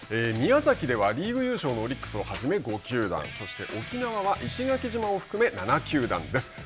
宮崎ではリーグ優勝のオリックスをはじめ５球団そして、沖縄は石垣島を含め７球団です。